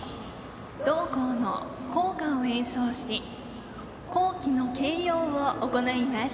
同校の校歌を演奏して校旗の掲揚を行います。